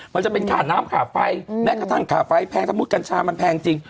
มันจะเป็นขาดน้ำขาดไฟอืมแม้กระทั่งขาดไฟแพงถ้าบอกว่ากัญชามันแพงจริง